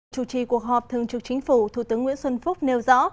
chủ trì cuộc họp thường trực chính phủ thủ tướng nguyễn xuân phúc nêu rõ